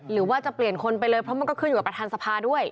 หรือว่าจะเปลี่ยนคนไปเลยเพราะมันก็ขึ้นอยู่กับประธานสภาด้วย